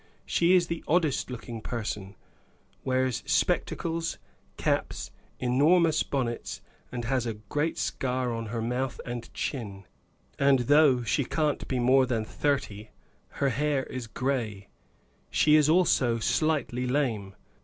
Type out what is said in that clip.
"She is the oddest looking person; wears spectacles, caps, enormous bonnets, and has a great scar on her mouth and chin; and though she can't be more than thirty, her hair is gray; she is also slightly lame.